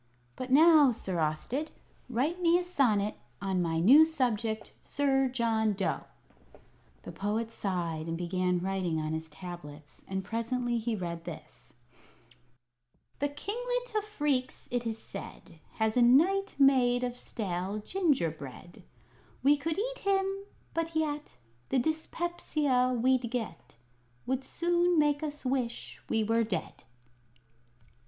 "But now, Sir Austed, write me a sonnet on my new subject, Sir John Dough." The Poet sighed and began writing on his tablets; and presently he read this: "The Kinglet of Phreex, it is said, Has a Knight made of stale gingerbread; We could eat him, but yet The dyspepsia we'd get Would soon make us wish we were dead."